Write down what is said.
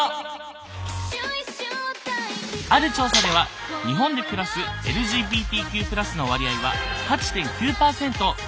ある調査では日本で暮らすＬＧＢＴＱ＋の割合は８．９％。